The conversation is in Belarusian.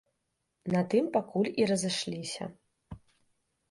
На тым пакуль і разышліся.